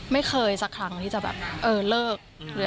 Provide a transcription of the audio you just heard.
ไม่เคยสักครั้งที่จะแบบเออเลิก